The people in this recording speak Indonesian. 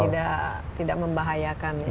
dan tidak membahayakan ya